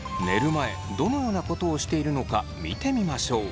前どのようなことをしているのか見てみましょう。